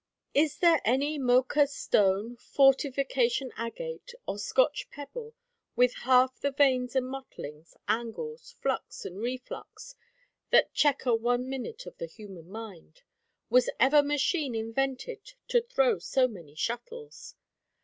Is there any Mocha stone, fortification agate, or Scotch pebble, with half the veins and mottlings, angles, flux and reflux, that chequer one minute of the human mind? Was ever machine invented to throw so many shuttles?